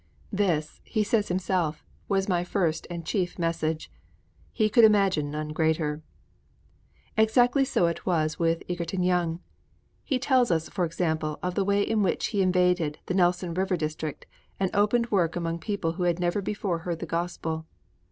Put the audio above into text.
'This,' he says himself, 'was my first and chief message.' He could imagine none greater. Exactly so was it with Egerton Young. He tells us, for example, of the way in which he invaded the Nelson River district and opened work among people who had never before heard the gospel.